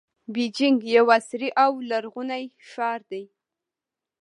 بیجینګ یو عصري او لرغونی ښار دی.